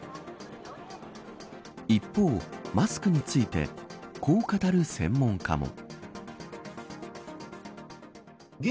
一方、マスクについてこう語る専門家も。